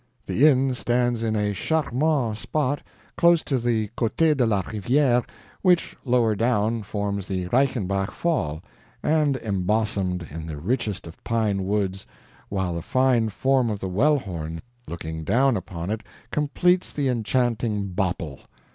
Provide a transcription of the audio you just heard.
The inn stands in a CHARMANT spot close to the CÔTÉ DE LA RIVIÈRE, which, lower down, forms the Reichenbach fall, and embosomed in the richest of pine woods, while the fine form of the Wellhorn looking down upon it completes the enchanting BOPPLE.